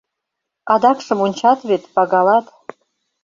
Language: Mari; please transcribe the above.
Адакшым ончат вет, пагалат.